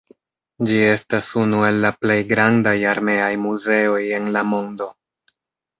Ĝi estas unu el la plej grandaj armeaj muzeoj en la mondo.